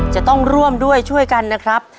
จะต้องร่วมด้วยช่วยกันนะครับ